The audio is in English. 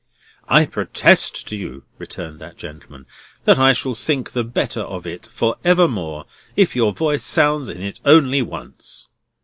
"I protest to you," returned that gentleman, "that I shall think the better of it for evermore, if your voice sounds in it only once."